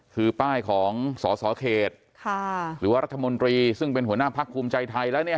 คือป้ายของสสเขตหรือว่ารัฐมนตรีซึ่งเป็นหัวหน้าพักภูมิใจไทยแล้วเนี่ย